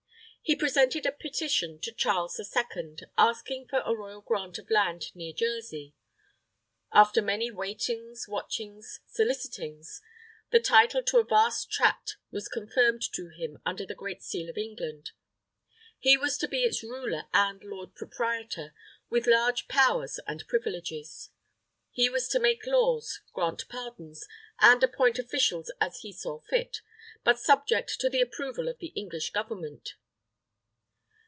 He presented a petition to Charles the Second, asking for a royal grant of land near Jersey. "After many waitings, watchings, solicitings," the title to a vast tract was confirmed to him under the Great Seal of England. He was to be its ruler and "Lord Proprietor," "with large powers and privileges." He was to make laws, grant pardons, and appoint officials as he saw fit, but subject to the approval of the English Government.